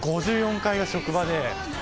５４階が職場で。